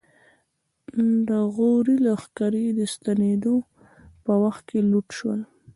د غوري لښکرې د ستنېدو په وخت کې لوټ شول.